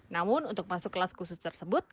namun untuk masuk kelas khusus tersebut